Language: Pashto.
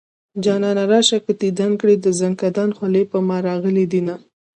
جانانه راشه که ديدن کړي د زنکدن خولې په ما راغلي دينه